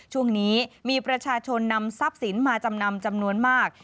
ช่วงนี้มีประชาชนนำทรัพย์สินมาจำนำจำนวนมาก